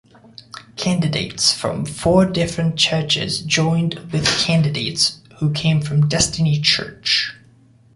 Candidates from four different churches joined with candidates who came from Destiny Church.